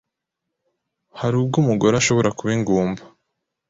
Hari ubwo umugore ashobora kuba ingumba